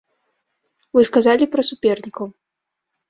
Вы сказалі пра супернікаў.